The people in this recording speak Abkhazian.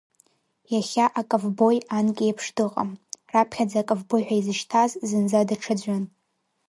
Иахьа аковбои анкьеиԥш дыҟам, раԥхьаӡа аковбои ҳәа изышьҭаз зынӡа даҽаӡәын.